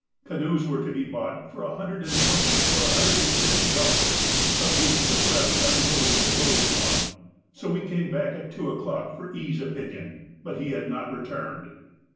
Canoes were to be bought for a hundred and twenty or a hundred and fifty dollars, but H. was rather unwilling to go in one, so we came back at two o'clock for E.'s opinion, but he had not returned.